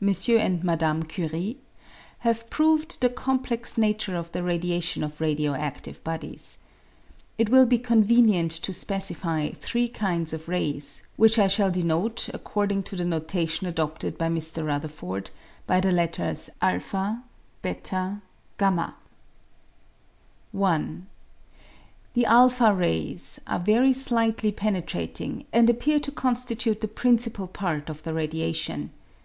and Mdme. Curie) have proved the complex nature of the radiation of radio adtive bodies. It will be convenient to specify three kinds of rays, which I shall denote, ac cording to the notation adopted by Mr. Rutherford, by the letters a, 0, y. I. The a rays are very slightly penetrating, and appear to constitute the principal part of the radiation.